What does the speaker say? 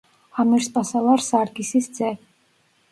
ამირსპასალარ სარგისის ძე.